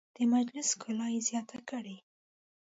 د مجلس ښکلا یې زیاته کړه.